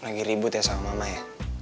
lagi ribut ya sama mama ya